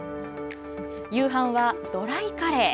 夕飯はドライカレー。